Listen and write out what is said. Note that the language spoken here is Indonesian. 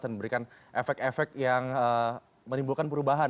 dan memberikan efek efek yang menimbulkan perubahan